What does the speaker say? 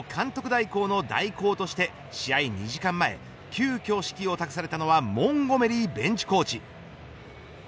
代行の代行として試合２時間前急きょ指揮を託されたのはモンゴメリーベンチコーチ。